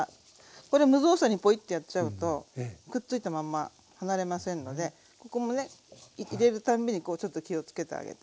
これ無造作にポイッてやっちゃうとくっついたまんま離れませんのでここもね入れるたんびにこうちょっと気をつけてあげて。